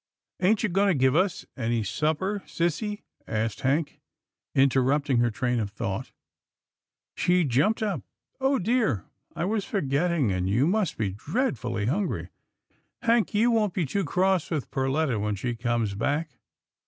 " Ain't you going to give us any supper, sissy? " asked Hank, interrupting her train of thought. She jumped up. " Oh dear ! I was forgetting, and you must be dreadfully hungry — Hank, you won't be too cross with Perletta when she comes back?"